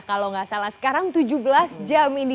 kalau nggak salah sekarang tujuh belas jam ini